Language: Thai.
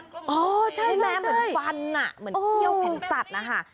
เนี้ยแม้เหมือนฟันอะเหมือนเขี้ยวแผ่นสัตว์นะคะ